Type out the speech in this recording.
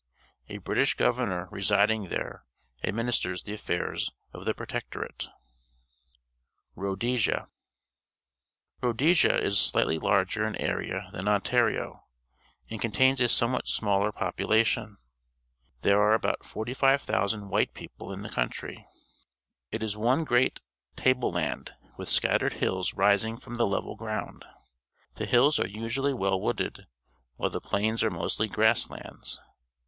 A British governor residing there administers the affairs of the protectorate. ^T Boer Farmers crossing a River, South Africa RHODESIA r ^ Rhodesia is shghtly larger in area than Ontario, and contains a somewhat smaller population. There are about 45,000 white people in the country. It is one great table land, with scattered hills rising from the level ground. The hills are usually well wooded, while the plains are mostly grass lands.